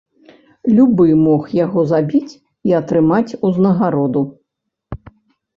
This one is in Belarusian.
Любы мог яго забіць і атрымаць узнагароду.